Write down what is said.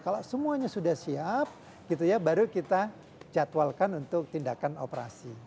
kalau semuanya sudah siap gitu ya baru kita jadwalkan untuk tindakan operasi